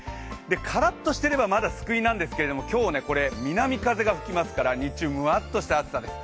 カラッとしてれば、まだ救いなんですが今日、南風が吹きますから日中、むわっとした暑さです。